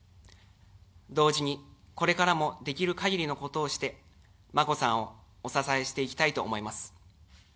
同時にこれからもできるかぎりのことをして眞子さんをお支えしていきたいと思います。